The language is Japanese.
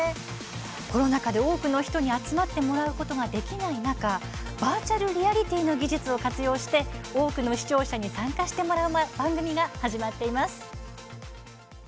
コロナ禍で多くの人に集まってもらうことができない中バーチャルリアリティーの技術を活用して多くの視聴者に参加してもらう番組が始まっています。